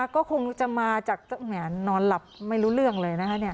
ก็คงจะมาจากนอนหลับไม่รู้เรื่องเลยนะคะ